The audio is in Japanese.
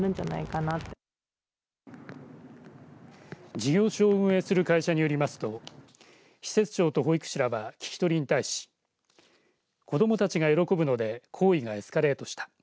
事業所を運営する会社によりますと施設長と保育士らは聞き取りに対し子どもたちが喜ぶので行為がエスカレートした。